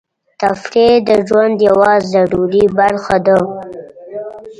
تفریح د ژوند یوه ضروري برخه ده.